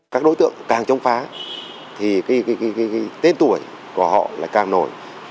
các đối tượng càng chống phá thì tên tuổi của họ lại càng nổi